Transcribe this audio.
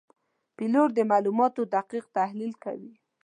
پیلوټ د معلوماتو دقیق تحلیل کوي.